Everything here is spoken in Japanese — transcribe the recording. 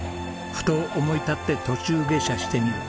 ふと思い立って途中下車してみる。